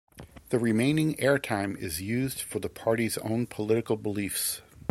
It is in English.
The remaining airtime is used for the party's own political beliefs.